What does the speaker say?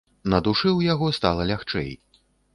На душы ў яго стала лягчэй.